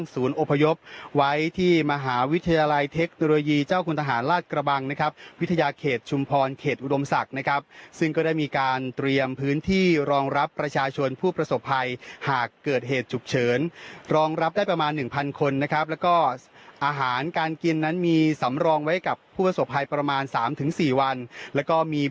อพยพไว้ที่มหาวิทยาลัยเทคโนโลยีเจ้าคุณทหารราชกระบังนะครับวิทยาเขตชุมพรเขตอุดมศักดิ์นะครับซึ่งก็ได้มีการเตรียมพื้นที่รองรับประชาชนผู้ประสบภัยหากเกิดเหตุฉุกเฉินรองรับได้ประมาณหนึ่งพันคนนะครับแล้วก็อาหารการกินนั้นมีสำรองไว้กับผู้ประสบภัยประมาณ๓๔วันแล้วก็มี